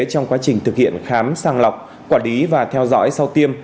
trong quá trình thực hiện khám sang lọc quả lý và theo dõi sau tiêm